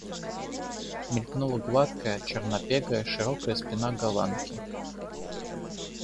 Мелькнула гладкая, чернопегая, широкая спина Голландки.